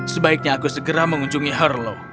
sebaiknya aku segera mengunjungi herlo